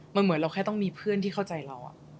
มันเหมือนเราแค่ต้องมีเพื่อนที่เข้าใจเรา